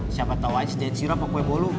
siapa tau ice cream sirap apa kue bolu